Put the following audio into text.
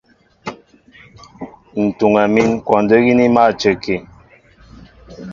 Ǹ tuŋɛ mín kwɔndə́ gínɛ́ í mâ a cəki.